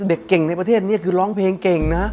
เด็กเก่งในประเทศนี้คือร้องเพลงเก่งนะ